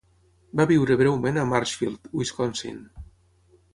Va viure breument a Marshfield (Wisconsin).